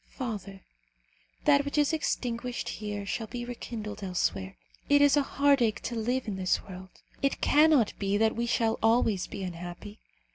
Father, that which is extinguished here shall be rekindled elsewhere. It is a heartache to live in this world. It cannot be that we shall always be unhappy.